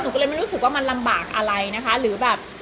ก็เลยไม่รู้สึกว่ามันลำบากอะไรนะคะหรือแบบ